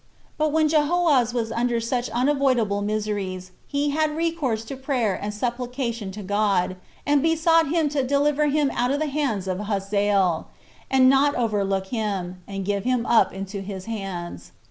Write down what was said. But when Jehoahaz was under such unavoidable miseries, he had recourse to prayer and supplication to God, and besought him to deliver him out of the hands of Hazael, and not overlook him, and give him up into his hands.